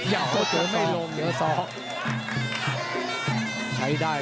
ใช้ได้เลยนะครับน้ำเงินมันนี้พอมวาวุธ